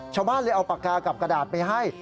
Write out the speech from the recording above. ชาวบ้านเลยเอาปากกากับกระดาษไปให้